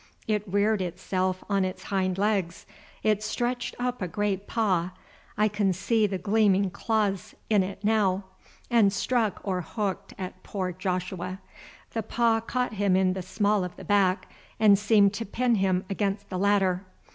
It reared itself on its hind legs, it stretched up a great paw—I can see the gleaming claws in it now—and struck or hooked at poor Joshua. The paw caught him in the small of the back, and seemed to pin him against the ladder.